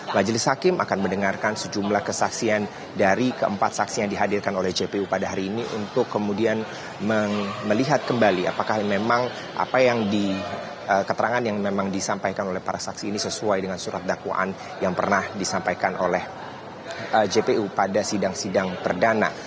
majelis hakim akan mendengarkan sejumlah kesaksian dari keempat saksi yang dihadirkan oleh jpu pada hari ini untuk kemudian melihat kembali apakah memang apa yang di keterangan yang memang disampaikan oleh para saksi ini sesuai dengan surat dakwaan yang pernah disampaikan oleh jpu pada sidang sidang perdana